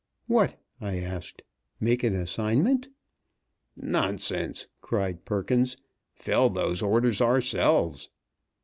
"What?" I asked; "make an assignment?" "Nonsense!" cried Perkins. "Fill those orders ourselves!"